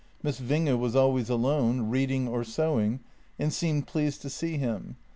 Miss Winge was always alone, reading or sewing, and seemed pleased to see him.